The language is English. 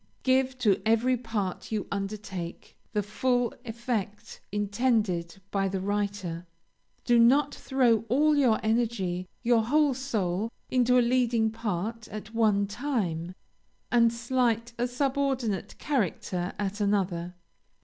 Give to every part you undertake, the full effect intended by the writer. Do not throw all your energy, your whole soul, into a leading part at one time, and slight a subordinate character at another.